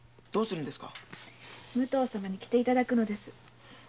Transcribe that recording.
武藤様に着ていただくのです。